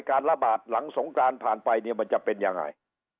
การระบาดหลังสงการผ่านไปจะเป็นอย่างไร